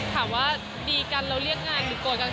ถามว่าดีกันแล้วเรียกงานหรือกลวกัน